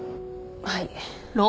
はい。